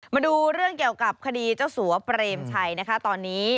มาดูเรื่องเกี่ยวกับคดีเจ้าสัวเปรมชัยนะคะตอนนี้